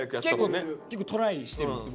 結構トライしてるんですよ。